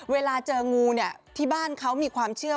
เวลาเจองูเนี่ยที่บ้านเขามีความเชื่อ